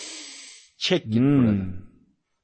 Çek git buradan!